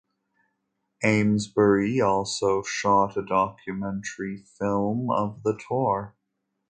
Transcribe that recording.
Amesbury also shot a documentary film of the tour.